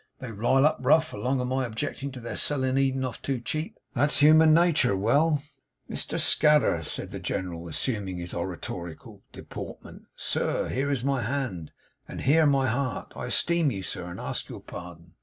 'They rile up rough, along of my objecting to their selling Eden off too cheap. That's human natur'! Well!' 'Mr Scadder,' said the General, assuming his oratorical deportment. 'Sir! Here is my hand, and here my heart. I esteem you, sir, and ask your pardon.